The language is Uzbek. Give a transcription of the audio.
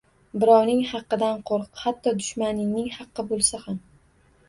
Birovning xaqqidan qoʻrq! Hatto dushmaningning xaqqi boʻlsa ham.